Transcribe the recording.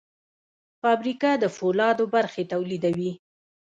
فابریکه د فولادو برخې تولیدوي.